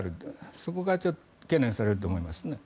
そこが懸念されると思います。